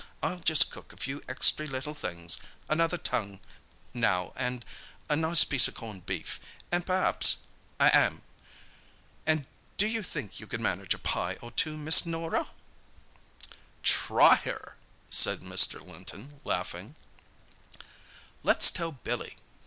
I'll just cook a few extry little things—another tongue, now, an' a nice piece of corned beef, an' per'aps a 'am. An' do you think you could manage a pie or two, Miss Norah?" "Try her!" said Mr. Linton, laughing. "Let's tell Billy!"